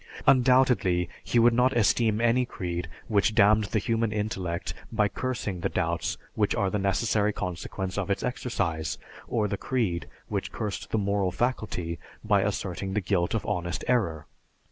Undoubtedly, He would not esteem any creed which damned the human intellect by cursing the doubts which are the necessary consequence of its exercise, or the creed which cursed the moral faculty by asserting the guilt of honest error.